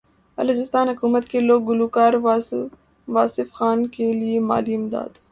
بلوچستان حکومت کی لوک گلوکار واسو خان کیلئے مالی امداد